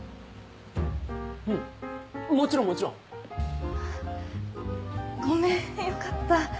うんもちろんもちろん！ごめんよかった